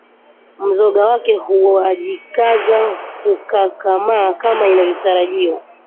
Mzoga wake haujikazi kukakamaa kama inavyotarajiwa